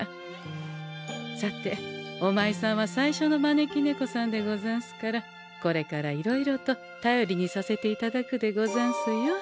さておまいさんは最初の招き猫さんでござんすからこれからいろいろとたよりにさせていただくでござんすよ。